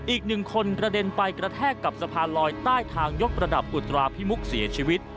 อีกหนึ่งคนกระเด็นไปกระแทกกับสะพานลอยใต้ทางยกระดับอุตราพิมุกเสียชีวิต